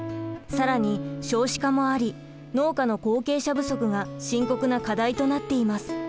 更に少子化もあり農家の後継者不足が深刻な課題となっています。